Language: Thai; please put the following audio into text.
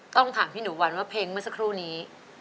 ต้องถามพี่หนูวันว่าเพลงเมื่อสักครู่นี้